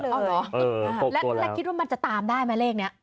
ได้เลยเออหกตัวแล้วและและคริดว่ามันจะตามได้ไหมเลขเนี้ย